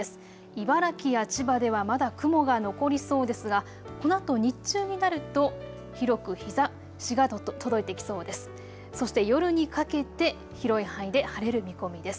茨城や千葉ではまだ雲が残りそうですが、このあと日中になると広く日ざしが届いていきそうです。